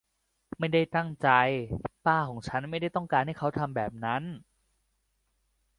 ไม่ได้ตั้งใจ ป้าของฉันไม่ต้องการให้เขาทำแบบนั้น